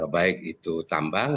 baik itu tambang